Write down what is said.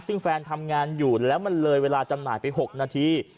ซึ่งแฟนทำงานอยู่แล้วมันเลยเวลาจำหน่ายไป๖นาที